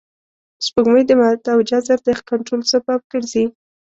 سپوږمۍ د مد او جزر د کنټرول سبب ګرځي